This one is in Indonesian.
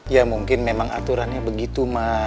ya mungkin memang aturannya begitu mah